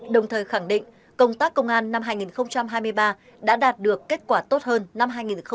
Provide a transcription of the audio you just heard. đồng thời khẳng định công tác công an năm hai nghìn hai mươi ba đã đạt được kết quả tốt hơn năm hai nghìn hai mươi ba